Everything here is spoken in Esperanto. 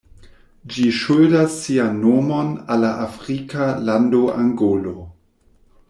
Ĝi ŝuldas sian nomon al la afrika lando Angolo.